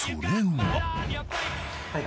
はい。